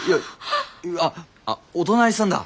あお隣さんだ。